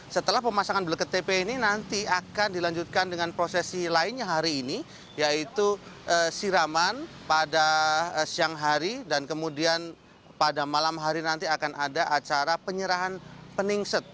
setelah pemasangan blue ktp ini nanti akan dilanjutkan dengan prosesi lainnya hari ini yaitu siraman pada siang hari dan kemudian pada malam hari nanti akan ada acara penyerahan peningset